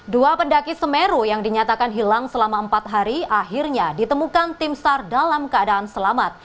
dua pendaki semeru yang dinyatakan hilang selama empat hari akhirnya ditemukan tim sar dalam keadaan selamat